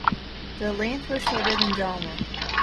The length was shorter than Jama.